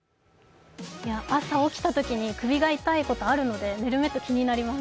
朝起きたときに首が痛いことあるのでねるメット、気になります。